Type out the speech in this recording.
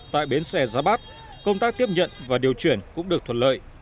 tại bến xe giáp bát công tác tiếp nhận và điều chuyển cũng được thuận lợi